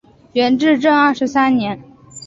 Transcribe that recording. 元至正二十三年。